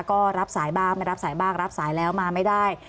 ก็รับสายบ้างไม่รับสายบ้างรับสายแล้วมาไม่ได้